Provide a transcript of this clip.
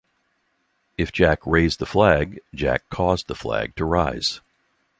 If Jack raised the flag, Jack caused the flag to rise.